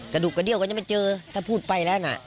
กระดูกกระเดี้ยก็ยังไม่เจอถ้าพูดไปแล้วนะ